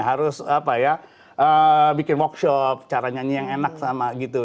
harus apa ya bikin workshop cara nyanyi yang enak sama gitu